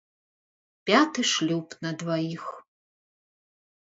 Пяты шлюб на дваіх.